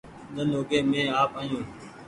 ۮن اوڳي مينٚ آپ آيو